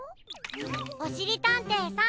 おしりたんていさん